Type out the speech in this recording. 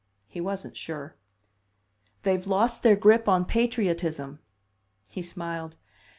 He wasn't sure. "They've lost their grip on patriotism." He smiled.